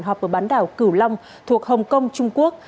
họp ở bán đảo cửu long thuộc hồng kông trung quốc